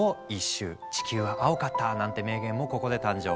「地球は青かった」なんて名言もここで誕生。